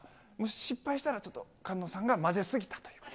失敗したら、ちょっと菅野さんが混ぜ過ぎたという。